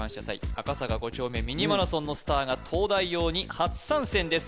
赤坂５丁目ミニマラソンのスターが「東大王」に初参戦です